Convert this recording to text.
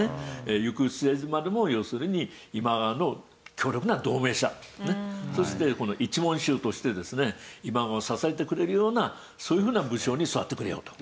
行く末までも要するに今川の強力な同盟者そして一門衆としてですね今川を支えてくれるようなそういうふうな武将に育ってくれよと。